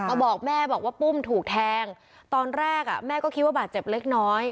บอกแม่บอกว่าปุ้มถูกแทงตอนแรกอ่ะแม่ก็คิดว่าบาดเจ็บเล็กน้อย